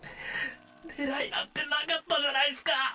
狙いなんて無かったじゃないスか！